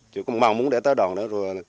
chứ không bao giờ muốn để tái đòn nữa